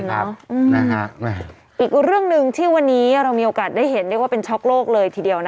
ครับนะฮะเนี่ยอีกเรื่องหนึ่งที่วันนี้เรามีโอกาสได้เห็นได้ว่าเป็นช็อกโลกเลยทีเดียวนะ